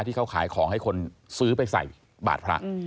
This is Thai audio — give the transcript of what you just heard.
ที่เขาขายของให้คนซื้อไปใส่บาทพระ